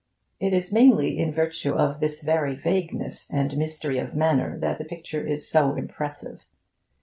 It is mainly in virtue of this very vagueness and mystery of manner that the picture is so impressive.